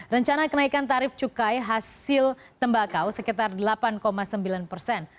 rencana kenaikan tarif cukai hasil tembakau sekitar delapan sembilan persen